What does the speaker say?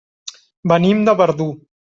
Venim de Verdú.